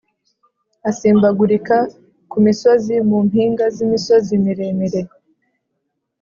Asimbagurika ku misozi mu mpinga z’imisozi miremire